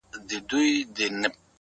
د ديوتاکور ته اپلاتون او سقراط ولېږه”